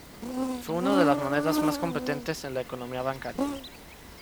Fue una de las monedas más competentes en la economía bancaria.